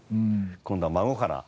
今度は孫から。